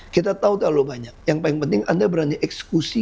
kita tahu terlalu banyak yang paling penting anda berani eksekusi